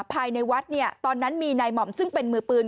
ภายในวัดเนี่ยตอนนั้นมีนายหม่อมซึ่งเป็นมือปืน